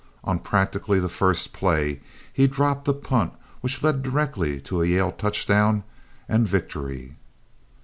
On practically the first play he dropped a punt which led directly to a Yale touchdown and victory.